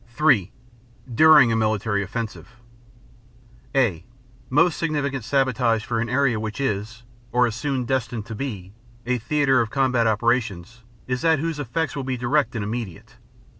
(3) During a Military Offensive (a) Most significant sabotage for an area which is, or is soon destined to be, a theater of combat operations is that whose effects will be direct and immediate.